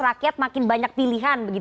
rakyat makin banyak pilihan